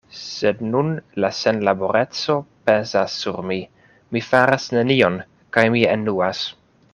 Sed nun la senlaboreco pezas sur mi: mi faras nenion, kaj mi enuas.